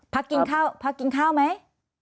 พักกินข้าวพักกินข้าวไหม